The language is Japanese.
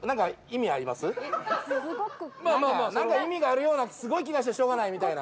まぁまぁまぁ何か意味があるような気がしてしょうがないみたいな。